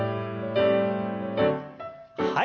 はい。